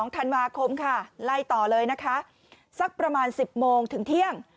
๒๒ธันวาคมไล่ต่อเลยสักประมาณ๑๐โมงถึงเที่ยง